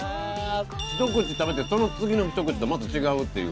ひと口食べてその次のひと口とまた違うっていう。